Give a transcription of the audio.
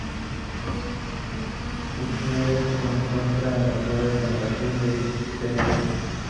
Su sede se encuentra en la ciudad de Santa Cruz de Tenerife.